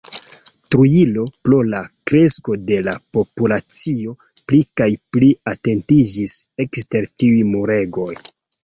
Trujillo, pro la kresko de la populacio, pli kaj pli etendiĝis ekster tiuj muregoj.